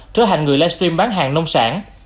trở hành người livestream bán hàng nông sản